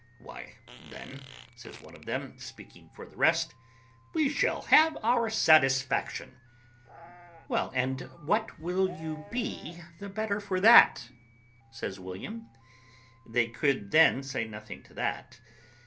"Why, then," says one of them, speaking for the rest, "we shall have our satisfaction." "Well, and what will you be the better for that?" says William. They could then say nothing to that.